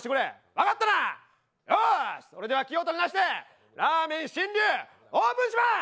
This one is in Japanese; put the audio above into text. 分かったな、よーし、それでは気を取り直してラーメンしんりゅう、オープンします！